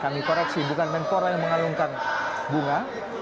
kami koreksi bukan menpora yang mengalungkan bunga